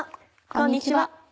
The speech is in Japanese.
こんにちは。